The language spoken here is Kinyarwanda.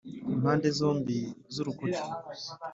Impande zombi z urukuta